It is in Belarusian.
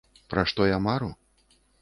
Пра што я мару?